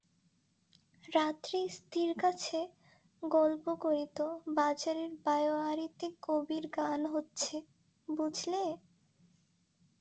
রাত্রে স্ত্রীর কাছে গল্প করিত-বাজারের বারোয়ারিতে কবির গান হচ্ছে বুঝলে?